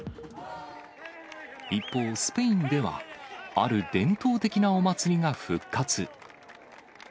一方、スペインでは、ある伝統的なお祭りが復活。